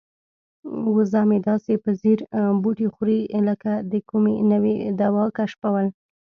وزه مې داسې په ځیر بوټي خوري لکه د کومې نوې دوا کشفول.